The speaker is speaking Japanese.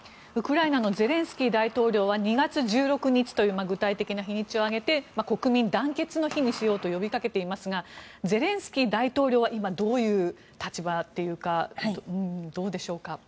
ウクライナのゼレンスキー大統領は２月１６日という具体的な日にちを挙げて国民団結の日にしようと呼びかけていますがゼレンスキー大統領は今、どういう立場というかどうでしょうか。